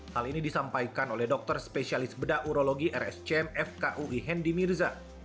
hal ini disampaikan oleh dokter spesialis bedah urologi rscm fkui hendi mirza